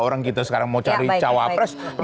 orang kita sekarang mau cari cawapres